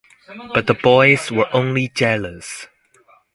But the boys were only jealous.